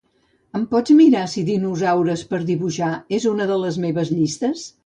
Em pots mirar si "Dinosaures per dibuixar" és una de les meves llistes?